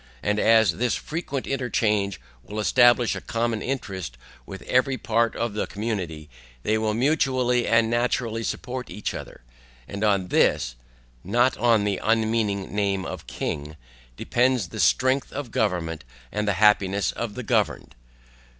And as this frequent interchange will establish a common interest with every part of the community, they will mutually and naturally support each other, and on this (not on the unmeaning name of king) depends the STRENGTH OF GOVERNMENT, AND THE HAPPINESS OF THE GOVERNED.